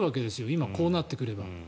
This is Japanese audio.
今、こうなってくれば。